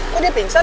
kok dia pingsan